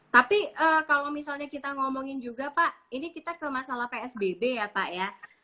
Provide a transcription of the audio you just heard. tapi kalau misalnya kita ngomongin juga pak ini kita ke masalah psbb ya pak ya